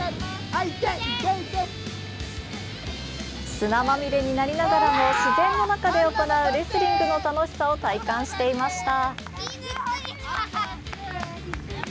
砂まみれになりながらも自然の中で行うレスリングの楽しさを体感していました。